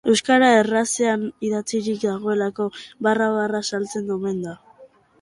Euskara errazean idatzirik dagoelako barra-barra saltzen omen da.